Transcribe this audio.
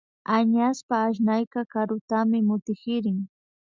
Añashpa asnayka karutami mutkirin